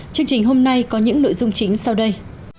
chương trình hôm nay có những nội dung chính sau đây